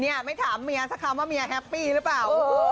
เนี่ยไม่ถามเมียสักคำว่าเมียแฮปปี้หรือเปล่า